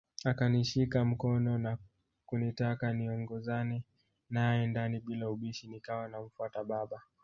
Akanishika mkono na kunitaka niongozane nae ndani bila ubishi nikawa namfuata baba